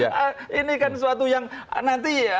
jadi ini kan suatu yang nanti